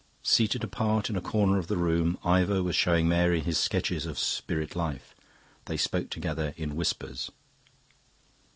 Seated apart in a corner of the room, Ivor was showing Mary his sketches of Spirit Life. They spoke together in whispers.